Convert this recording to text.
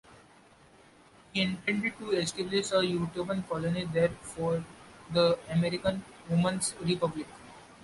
He intended to establish a utopian colony there for the American Woman's Republic.